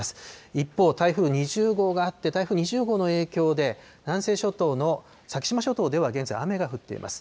一方、台風２０号があって、台風２０号の影響で、南西諸島の先島諸島では現在、雨が降っています。